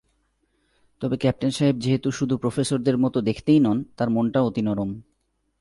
তবে ক্যাপ্টেন সাহেব যেহেতু শুধু প্রফেসরদের মতো দেখতেই নন, তাঁর মনটাও অতি নরম।